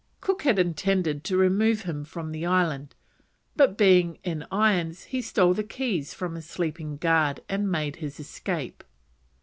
Cook had intended to remove him from the island, but, being in irons, he stole the keys from a sleeping guard and made his escape.